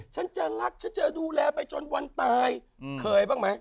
ฉันจะรักฉันจะดูแลไปจนวันตายเคยบ้างไหม